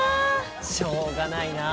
しょうがないなあ。